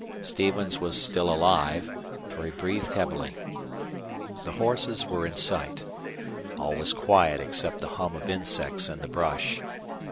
Stevens was still alive, for he breathed heavily. The horses were in sight. All was quiet except the hum of insects in the brush.